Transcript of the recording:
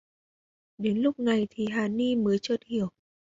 Đến lúc này thì hà ni mới chợt hiểu